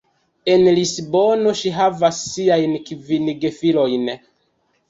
En Lisbono ŝi havas siajn kvin gefilojn.